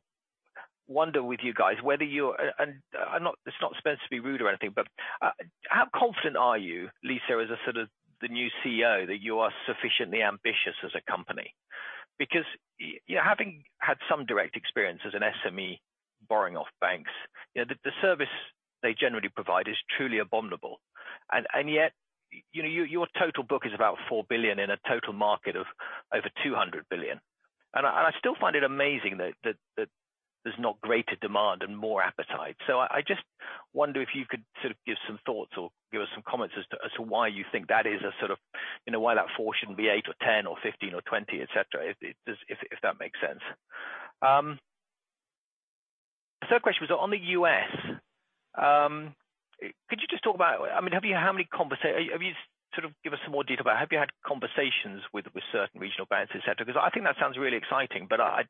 wonder with you guys whether you are sufficiently ambitious as a company. I'm not. It's not supposed to be rude or anything, but how confident are you, Lisa, as sort of the new CEO, that you are sufficiently ambitious as a company? Because you're having had some direct experience as an SME borrowing off banks. You know, the service they generally provide is truly abominable. Yet, you know, your total book is about $4 billion in a total market of over $200 billion. I still find it amazing that there's not greater demand and more appetite. I just wonder if you could sort of give some thoughts or give us some comments as to why you think that is a sort of, you know, why that four shouldn't be eight or 10 or 15 or 20, et cetera. If that makes sense. Third question was on the U.S. Could you just talk about. I mean, have you. Have you sort of given us some more detail about have you had conversations with certain regional banks, et cetera? Because I think that sounds really exciting, but I'm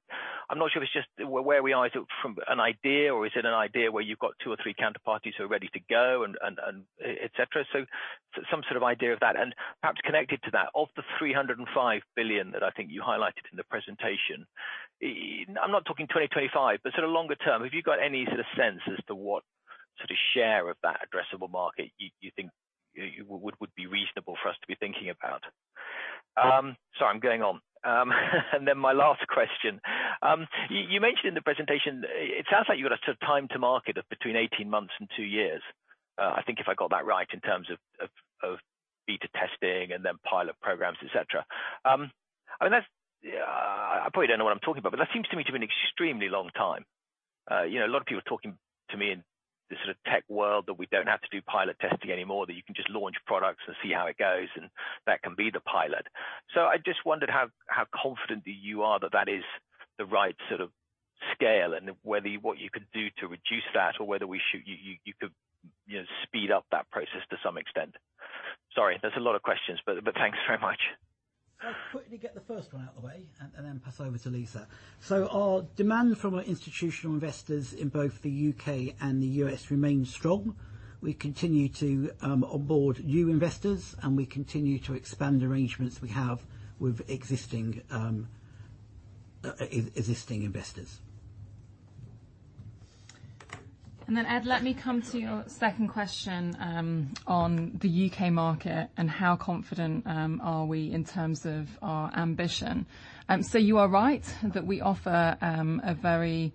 not sure if it's just where we are. Is it from an idea or is it an idea where you've got two or three counterparties who are ready to go and et cetera? So some sort of idea of that. Perhaps connected to that, of the 305 billion that I think you highlighted in the presentation, I'm not talking 2025, but sort of longer term, have you got any sort of sense as to what sort of share of that addressable market you think would be reasonable for us to be thinking about? Sorry, I'm going on. Then my last question. You mentioned in the presentation, it sounds like you've got a sort of time to market of between 18 months and 2 years. I think if I got that right, in terms of beta testing and then pilot programs, etc. I mean, that's. Yeah, I probably don't know what I'm talking about, but that seems to me to be an extremely long time. You know, a lot of people are talking to me in this sort of tech world that we don't have to do pilot testing anymore, that you can just launch products and see how it goes, and that can be the pilot. I just wondered how confident you are that that is the right sort of scale, and whether you what you could do to reduce that or whether we should. You could, you know, speed up that process to some extent. Sorry, there's a lot of questions, but thanks very much. I'll quickly get the first one out of the way and then pass over to Lisa. Our demand from our institutional investors in both the U.K. and the U.S. remains strong. We continue to onboard new investors, and we continue to expand arrangements we have with existing investors. Ed, let me come to your second question, on the U.K. market and how confident are we in terms of our ambition. You are right that we offer a very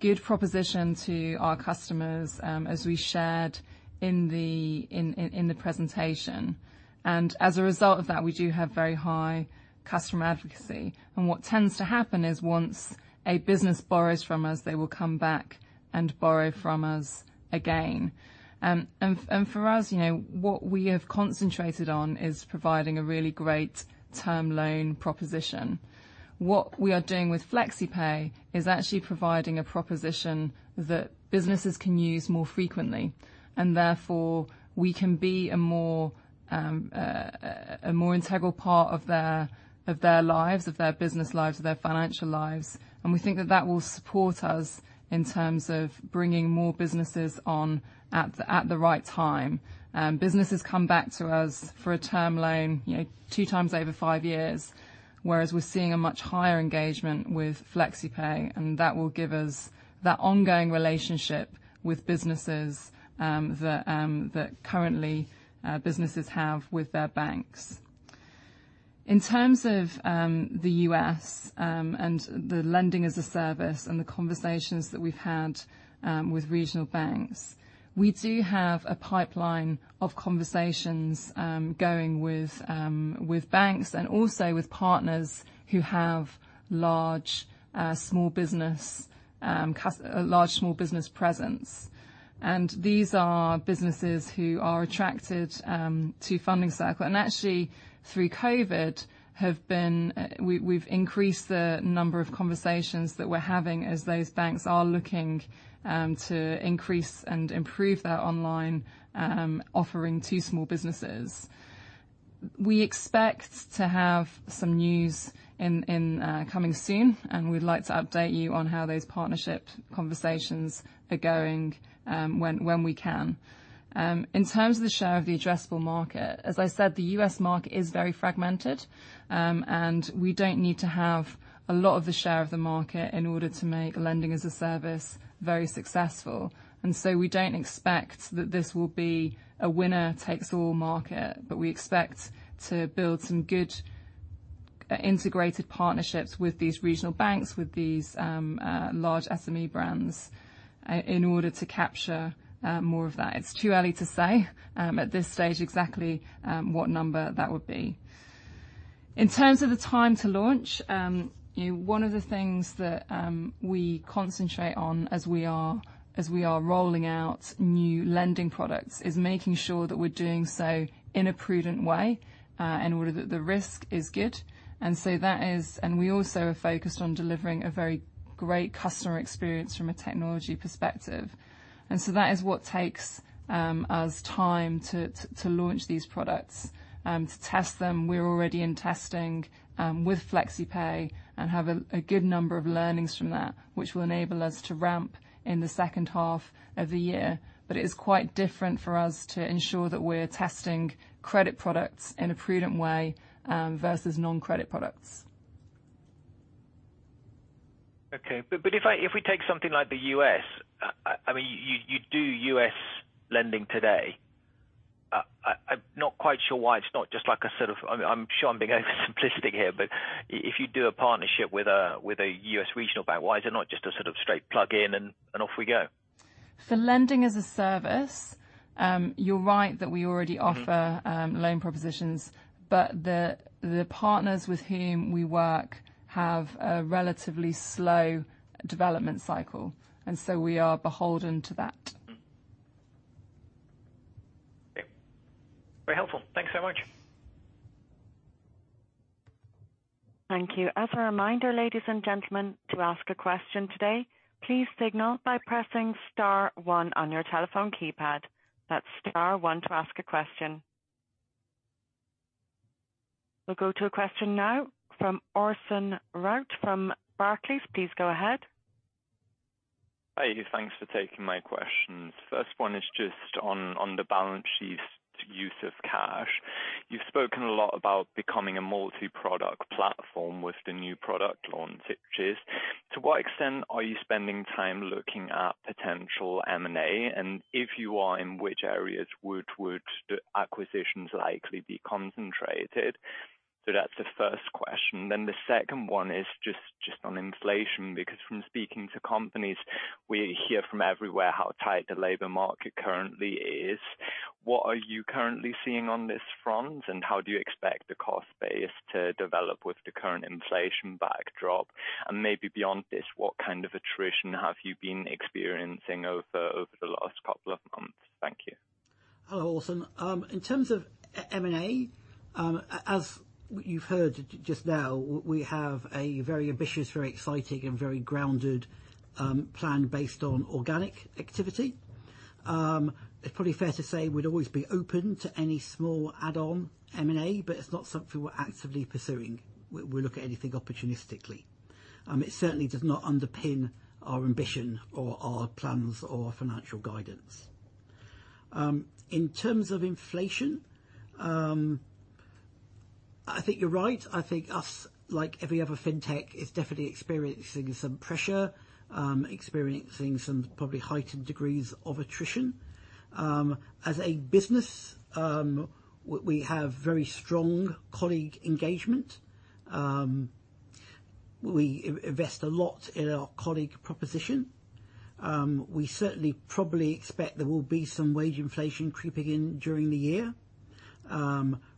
good proposition to our customers, as we shared in the presentation. As a result of that, we do have very high customer advocacy. What tends to happen is once a business borrows from us, they will come back and borrow from us again. For us, you know, what we have concentrated on is providing a really great term loan proposition. What we are doing with FlexiPay is actually providing a proposition that businesses can use more frequently, and therefore we can be a more integral part of their lives, of their business lives, of their financial lives. We think that will support us in terms of bringing more businesses on at the right time. Businesses come back to us for a term loan, you know, 2x over five years, whereas we're seeing a much higher engagement with FlexiPay, and that will give us that ongoing relationship with businesses that currently businesses have with their banks. In terms of the U.S. and the lending as a service and the conversations that we've had with regional banks, we do have a pipeline of conversations going with banks and also with partners who have large small business presence. These are businesses who are attracted to Funding Circle, and actually through COVID have been... We've increased the number of conversations that we're having as those banks are looking to increase and improve their online offering to small businesses. We expect to have some news coming soon, and we'd like to update you on how those partnership conversations are going when we can. In terms of the share of the addressable market, as I said, the U.S. market is very fragmented, and we don't need to have a lot of the share of the market in order to make lending as a service very successful. We don't expect that this will be a winner-takes-all market. We expect to build some good integrated partnerships with these regional banks, with these large SME brands in order to capture more of that. It's too early to say at this stage exactly what number that would be. In terms of the time to launch, One of the things that we concentrate on as we are rolling out new lending products is making sure that we're doing so in a prudent way in order that the risk is good. That is. We also are focused on delivering a very great customer experience from a technology perspective. That is what takes us time to launch these products to test them. We're already in testing with FlexiPay and have a good number of learnings from that, which will enable us to ramp in the second half of the year. It is quite different for us to ensure that we're testing credit products in a prudent way, versus non-credit products. Okay. If we take something like the U.S., I mean you do U.S. lending today. I'm not quite sure why it's not just like a sort of, I mean, I'm sure I'm being oversimplistic here, but if you do a partnership with a U.S. regional bank, why is it not just a sort of straight plug in and off we go? For lending as a service, you're right that we already offer. Mm-hmm. Loan propositions, but the partners with whom we work have a relatively slow development cycle, and so we are beholden to that. Very helpful. Thanks so much. Thank you. As a reminder, ladies and gentlemen, to ask a question today, please signal by pressing star one on your telephone keypad. That's star one to ask a question. We'll go to a question now from Orson Route from Barclays. Please go ahead. Hi, thanks for taking my questions. First one is just on the balance sheet use of cash. You've spoken a lot about becoming a multi-product platform with the new product launches. To what extent are you spending time looking at potential M&A? And if you are, in which areas would the acquisitions likely be concentrated? That's the first question. The second one is just on inflation, because from speaking to companies, we hear from everywhere how tight the labor market currently is. What are you currently seeing on this front, and how do you expect the cost base to develop with the current inflation backdrop? And maybe beyond this, what kind of attrition have you been experiencing over the last couple of months? Thank you. Hello, Orson. In terms of M&A, as you've heard just now, we have a very ambitious, very exciting, and very grounded plan based on organic activity. It's probably fair to say we'd always be open to any small add-on M&A, but it's not something we're actively pursuing. We look at anything opportunistically. It certainly does not underpin our ambition or our plans or our financial guidance. In terms of inflation, I think you're right. I think us, like every other fintech, is definitely experiencing some pressure, experiencing some probably heightened degrees of attrition. As a business, we have very strong colleague engagement. We invest a lot in our colleague proposition. We certainly probably expect there will be some wage inflation creeping in during the year.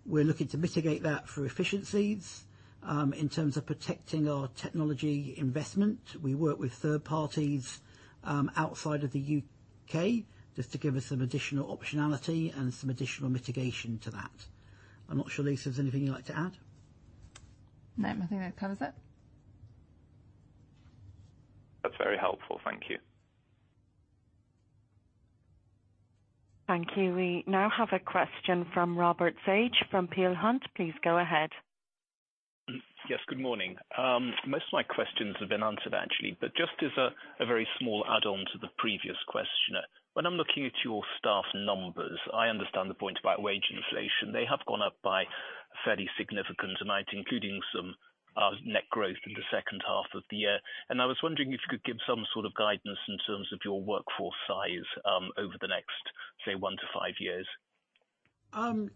We're looking to mitigate that through efficiencies. In terms of protecting our technology investment, we work with third parties, outside of the U.K. just to give us some additional optionality and some additional mitigation to that. I'm not sure, Lisa, if there's anything you'd like to add. No, I think that covers it. That's very helpful. Thank you. Thank you. We now have a question from Robert Sage from Peel Hunt. Please go ahead. Yes, good morning. Most of my questions have been answered actually. But just as a very small add-on to the previous question, when I'm looking at your staff numbers, I understand the point about wage inflation. They have gone up by fairly significant amount, including some net growth in the second half of the year. I was wondering if you could give some sort of guidance in terms of your workforce size over the next, say, one-five years.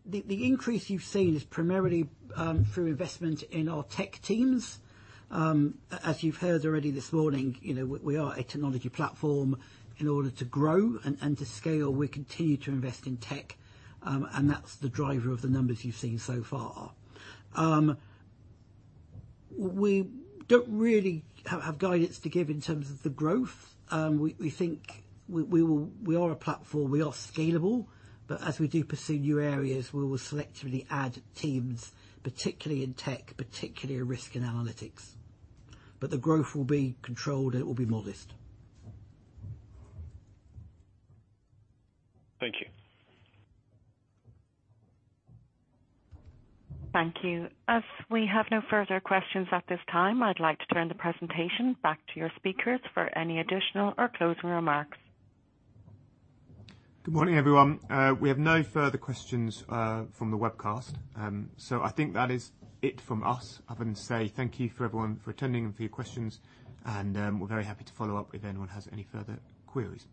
The increase you've seen is primarily through investment in our tech teams. As you've heard already this morning, you know, we are a technology platform. In order to grow and to scale, we continue to invest in tech, and that's the driver of the numbers you've seen so far. We don't really have guidance to give in terms of the growth. We think we will. We are a platform. We are scalable. As we do pursue new areas, we will selectively add teams, particularly in tech, particularly risk analytics. The growth will be controlled, and it will be modest. Thank you. Thank you. As we have no further questions at this time, I'd like to turn the presentation back to your speakers for any additional or closing remarks. Good morning, everyone. We have no further questions from the webcast. I think that is it from us other than to say thank you for everyone for attending and for your questions. We're very happy to follow up if anyone has any further queries.